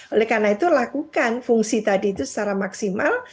oleh karena itu lakukan fungsi tadi itu secara maksimal